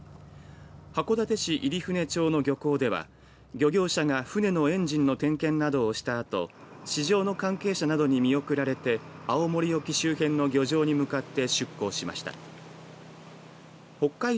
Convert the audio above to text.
函館市入舟町の漁港では漁業者が船のエンジンの点検などをしたあと市場の関係者などに見送られて青森沖周辺の漁場に向かって出港しました。